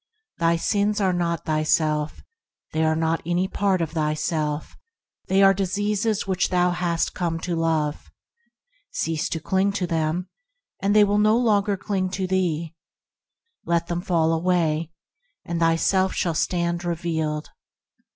Thy sins are not thyself; they are not any part of thyself; they are diseases which thou hast come to love. Cease to cling to them, and they will no longer cling to thee. Let them fall away, and thy self shall stand revealed.